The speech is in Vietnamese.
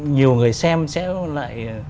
nhiều người xem sẽ lại